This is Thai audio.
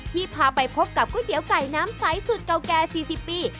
ที่พาไปพบกับกุ้ยเตี๋ยวกัยน้ำไสสุดเกาแก่๔๐ปี